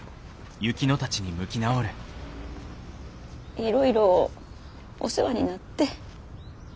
いろいろお世話になって。